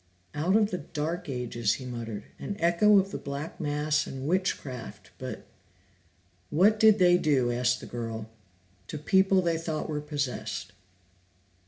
"Out of the Dark Ages," he muttered. "An echo of the Black Mass and witchcraft, but " "What did they do," asked the girl, "to people they thought were possessed?"